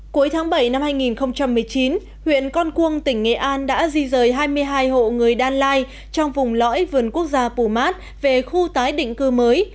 cuối tháng bảy năm hai nghìn một mươi chín huyện con cuông tỉnh nghệ an đã di rời hai mươi hai hộ người đan lai trong vùng lõi vườn quốc gia pù mát về khu tái định cư mới